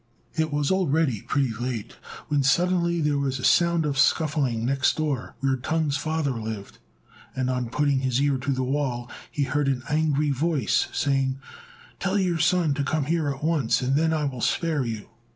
It was already pretty late, when suddenly there was a sound of scuffling next door, where Tung's father lived; and, on putting his ear to the wall, he heard an angry voice saying, "Tell your son to come here at once, and then I will spare you."